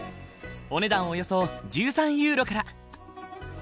お値段およそ１３ユーロから。